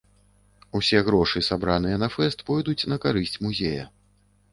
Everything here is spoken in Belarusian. Усе грошы, сабраныя на фэст пойдуць на карысць музея.